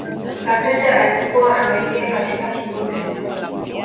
Kaseja alikuwa anaingia katika kikosi